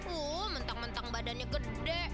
uh mentang mentang badannya gede